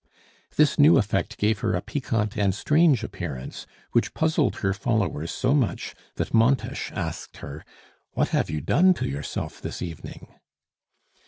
This new effect gave her a piquant and strange appearance, which puzzled her followers so much, that Montes asked her: "What have you done to yourself this evening?"